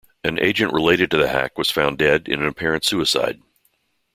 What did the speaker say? An agent related to the hack was found dead in an apparent suicide.